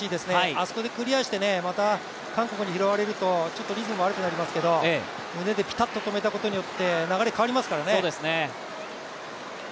あそこでクリアして、また韓国に拾われるとちょっとリズム悪くなりますから、胸でぴたっと止めたことによって流れ変わりますからね。